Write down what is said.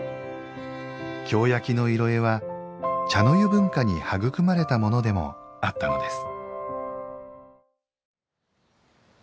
京焼の色絵は茶の湯文化に育まれたものでもあったのです。